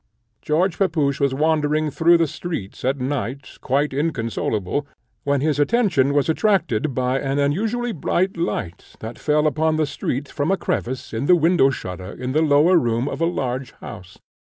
George Pepusch was wandering through the streets at night, quite inconsolable, when his attention was attracted by an unusually bright light, that fell upon the street from a crevice in the window shutter in the lower room of a large house.